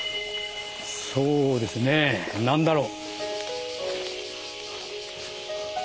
そうですね何だろう。